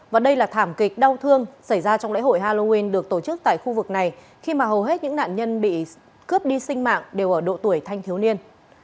và đây là thảm kịch đau thương xảy ra trong lễ hội halloween được tổ chức tại khu vực này khi mà hầu hết những nạn nhân bị cướp đi sinh mạng đều ở độ tuổi thanh thiếu niên